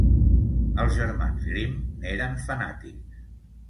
Els germans Grimm n'eren fanàtics.